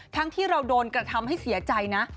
ที่เราโดนกระทำให้เสียใจนะ